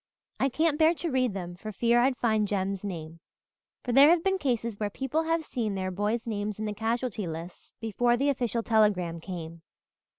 I can't bear to read them for fear I'd find Jem's name for there have been cases where people have seen their boys' names in the casualty lists before the official telegram came.